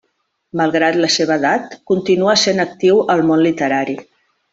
Malgrat la seva edat, continua essent actiu al món literari.